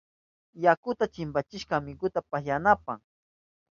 Yakuta chimpachishka amigunta pasyananpa.